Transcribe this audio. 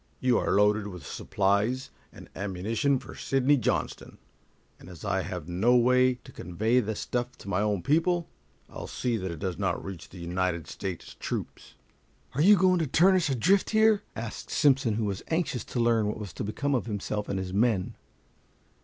"You are loaded with supplies and ammunition for Sidney Johnston, and as I have no way to convey the stuff to my own people, I'll see that it does not reach the United States troops." "Are you going to turn us adrift here?" asked Simpson, who was anxious to learn what was to become of himself and his men.